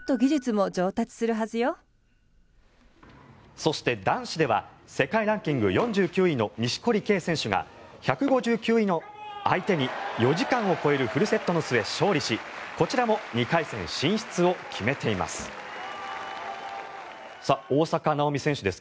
そして、男子では世界ランキング４９位の錦織圭選手が１５９位の相手に４時間を超えるフルセットの末勝利し、こちらも２回戦進出を決めています。